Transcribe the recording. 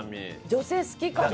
女性好きな。